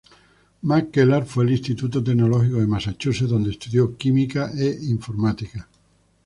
McKellar fue al Instituto Tecnológico de Massachusetts, donde estudió química e informática.